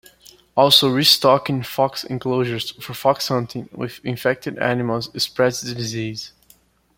Also, restocking fox enclosures for fox hunting with infected animals spreads the disease.